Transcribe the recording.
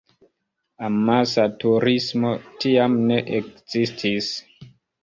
Amasa turismo tiam ne ekzistis.